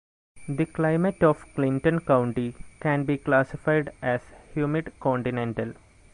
The climate of Clinton County can be classified as humid continental.